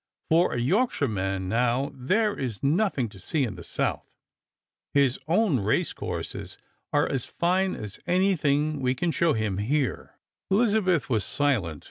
For a Yorkshireman, now, there is nothing to see in the South. His own race courses are as fine as anything we can show him hei'e." Elizabeth was silent.